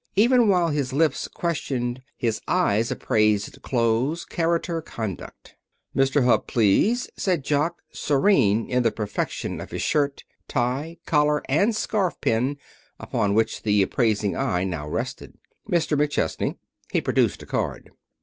Even while his lips questioned, his eyes appraised clothes, character, conduct. "Mr. Hupp, please," said Jock, serene in the perfection of his shirt, tie, collar and scarf pin, upon which the appraising eye now rested. "Mr. McChesney." He produced a card.